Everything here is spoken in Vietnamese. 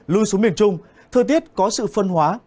lưu xuống miền trung thời tiết có sự phân hóa